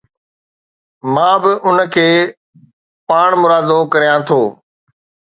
مان به اُن کي پاڻمرادو ڪريان ٿو.